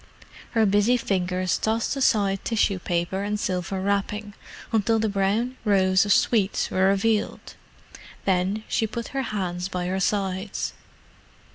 Her busy fingers tossed aside tissue paper and silver wrapping, until the brown rows of sweets were revealed. Then she put her hands by her sides.